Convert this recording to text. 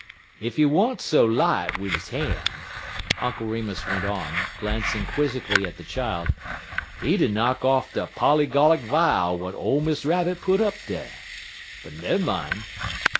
Ef he want so light wid he han'," Uncle Remus went on, glancing quizzically at the child, "he'd a knock off de pollygollic vial w'at ole Miss Rabbit put up dar. But nummine!